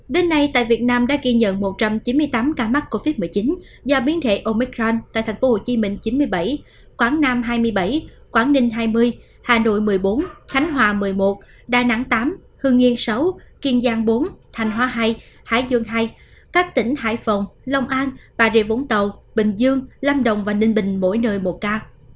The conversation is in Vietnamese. đến nay tại việt nam đã ghi nhận một trăm chín mươi tám ca mắc covid một mươi chín do biến thể omicron tại thành phố hồ chí minh chín mươi bảy quảng nam hai mươi bảy quảng ninh hai mươi hà nội một mươi bốn khánh hòa một mươi một đà nẵng tám hương nhiên sáu kiên giang bốn thành hóa hai hải dương hai các tỉnh hải phòng long an bà rệ vũng tàu bình dương lâm đồng và ninh bình mỗi nơi một ca